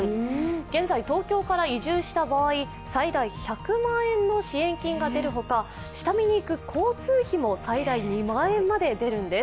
現在、東京から移住した場合、最大１００万円の支援金が出るほか下見に行く交通費も最大２万円まで出るんです。